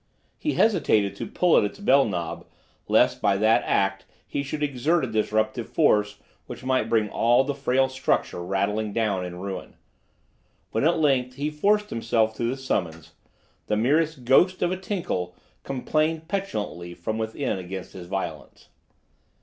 He hesitated to pull at its bell knob, lest by that act he should exert a disruptive force which might bring all the frail structure rattling down in ruin. When, at length, he forced himself to the summons, the merest ghost of a tinkle complained petulantly from within against his violence.